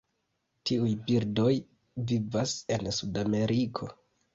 Tiuj birdoj vivas en Sudameriko.